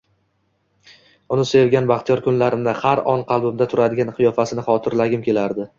Uni sevgan baxtiyor kunlarimni, har on qalbimda turadigan qiyofasini xotirlagim kelardi